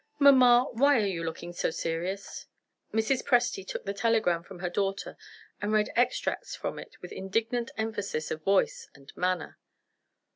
Mamma! Why are you looking so serious?" Mrs. Presty took the telegram from her daughter and read extracts from it with indignant emphasis of voice and manner.